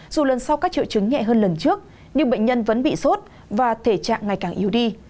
dù lần sau các triệu chứng nhẹ hơn lần trước nhưng bệnh nhân vẫn bị sốt và thể trạng ngày càng yếu đi